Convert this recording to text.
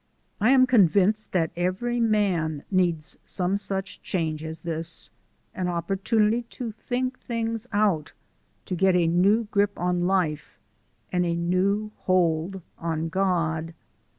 I am convinced that every man needs some such change as this, an opportunity to think things out, to get a new grip on life, and a new hold on God.